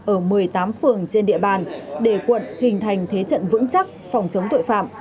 ở một mươi tám phường trên địa bàn để quận hình thành thế trận vững chắc phòng chống tội phạm